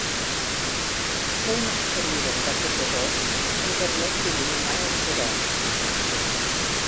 Ser una supervivent d’aquest horror em permet d’il·luminar els herois.